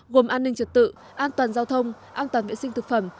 gồm an ninh trật tự an toàn giao thông an toàn vệ sinh thực phẩm